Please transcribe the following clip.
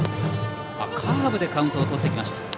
カーブでカウントをとってきました。